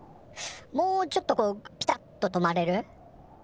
もうちょっとこうピタッと止まれる？